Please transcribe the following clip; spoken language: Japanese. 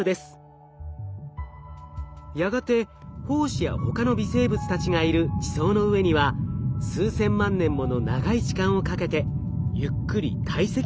やがて胞子やほかの微生物たちがいる地層の上には数千万年もの長い時間をかけてゆっくり堆積物が降り積もっていきます。